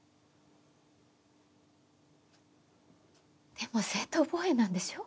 でも正当防衛なんでしょ？